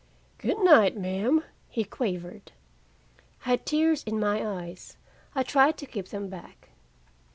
"Good night, ma'am," he quavered. I had tears in my eyes. I tried to keep them back.